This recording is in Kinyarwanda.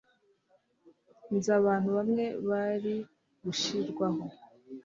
Nzi abantu bamwe bari gushirwaho